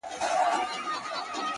مړ يمه هغه وخت به تاته سجده وکړمه!!